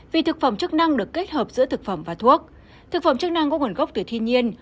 vì thực phẩm chức năng được kết hợp giữa thực phẩm và thuốc thực phẩm chức năng có nguồn gốc từ thiên nhiên